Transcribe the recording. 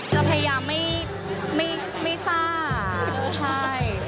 จะพยายามไม่ทราบใช่